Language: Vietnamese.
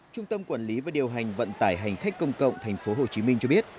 trung tâm quản lý và điều hành vận tải hành khách công cộng tp hcm cho biết